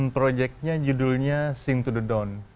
projectnya judulnya sing to the dawn